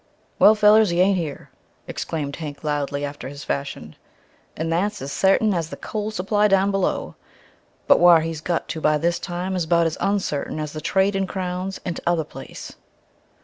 "Well, fellers, he ain't here," exclaimed Hank loudly after his fashion. "And that's as sartain as the coal supply down below! But whar he's got to by this time is 'bout as unsartain as the trade in crowns in t'other place."